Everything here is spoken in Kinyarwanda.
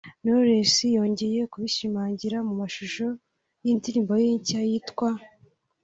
Knowless yongeye kubishimangira mu mashusho y’indirimbo ye nshya yitwa